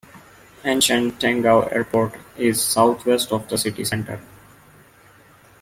Anshan Teng'ao Airport is south west of the city centre.